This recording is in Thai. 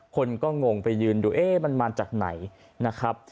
คนก็งงไปยืนดูเอ๊ะมันมาจากไหนนะครับ